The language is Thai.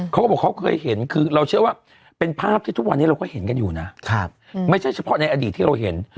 เขาก็บอกเขาเคยเห็นคือเราเชื่อว่าเป็นภาพที่ทุกวันนี้เราก็เห็นกันอยู่นะไม่ใช่เฉพาะในอดีตที่เราเห็น